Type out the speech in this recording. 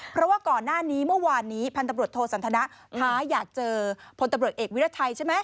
เพราะว่าก่อนหน้านี้เมื่อวานนี้พันธบรวสันทนะท้าอยากเจอพลตำรวจเอกวิรัชัยใช่ไหม